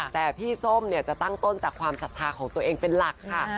แต่พี่ส้มจะตั้งต้นจากความศรัทธาของตัวเองเป็นหลักค่ะ